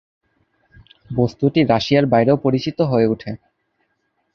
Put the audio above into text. বস্তুটি রাশিয়ার বাইরেও পরিচিত হয়ে ওঠে।